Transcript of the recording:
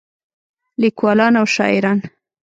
لیکولان او شاعران